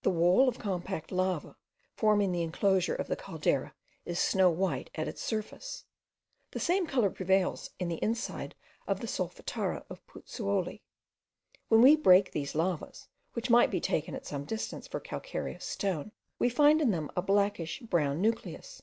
The wall of compact lava, forming the enclosure of the Caldera, is snow white at its surface. The same colour prevails in the inside of the Solfatara of Puzzuoli. When we break these lavas, which might be taken at some distance for calcareous stone, we find in them a blackish brown nucleus.